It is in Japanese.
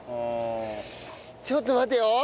ちょっと待てよ！